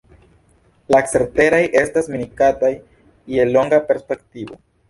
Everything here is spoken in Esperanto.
La ceteraj estas minacataj je longa perspektivo.